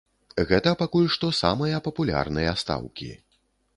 Гэта пакуль што самыя папулярныя стаўкі.